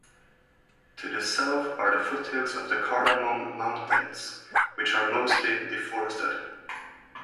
To the south are the foothills of the Cardamom Mountains, which are mostly deforested.